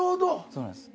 そうなんです。